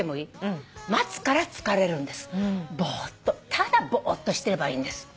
ただぼーっとしてればいいんです」